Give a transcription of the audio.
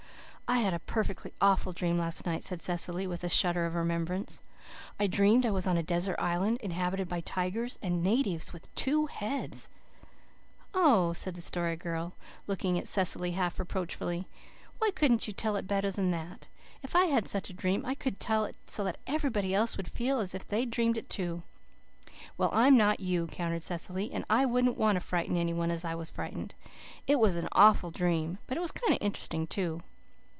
"I had a perfectly awful dream last night," said Cecily, with a shudder of remembrance. "I dreamed I was on a desert island inhabited by tigers and natives with two heads." "Oh!" the Story Girl looked at Cecily half reproachfully. "Why couldn't you tell it better than that? If I had such a dream I could tell it so that everybody else would feel as if they had dreamed it, too." "Well, I'm not you," countered Cecily, "and I wouldn't want to frighten any one as I was frightened. It was an awful dream but it was kind of interesting, too."